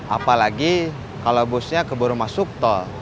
apalagi kalo bosnya keburu masuk tol